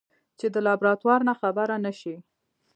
چې د لابراتوار نه خبره نشي.